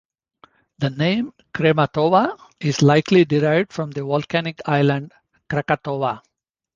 The name Krematoa is likely derived from the volcanic island Krakatoa.